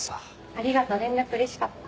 ありがとう連絡うれしかった。